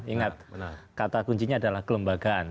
ingat kata kuncinya adalah kelembagaan